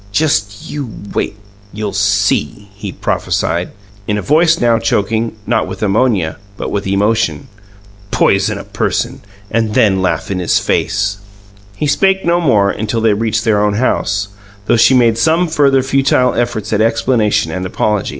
"Just you wait! You'll see!" he prophesied, in a voice now choking, not with ammonia, but with emotion. "Poison a person, and then laugh in his face!" He spake no more until they had reached their own house, though she made some further futile efforts at explanation and apology.